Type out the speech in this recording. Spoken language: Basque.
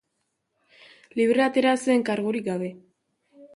Libre atera zen, kargurik gabe.